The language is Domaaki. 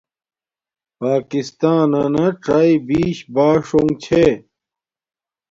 پاکستانانا څݵ بیش باݽݸنݣ چھے